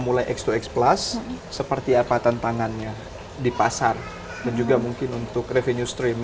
mulai x dua x plus seperti apa tantangannya di pasar dan juga mungkin untuk revenue stream